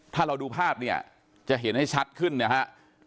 ถ้าเราดูภาพเนี่ยจะเห็นให้ชัดขึ้นนะฮะ